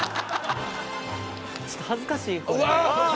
ちょっと恥ずかしいこれ。